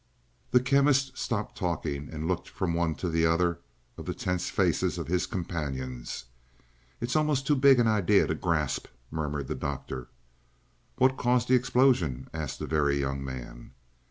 The Chemist stopped talking and looked from one to the other of the tense faces of his companions. "It's almost too big an idea to grasp," murmured the Doctor. "What caused the explosion?" asked the Very Young Man.